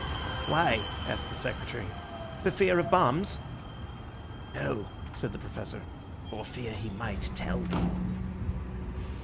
"Why," asked the Secretary, "for fear of bombs?" "No," said the Professor, "for fear he might tell me."